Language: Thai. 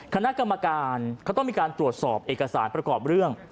คณะกรรมการเขาต้องมีการตรวจสอบเอกสารประกอบเรื่อง